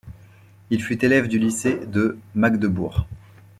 Il fut élève du lycée de Magdebourg.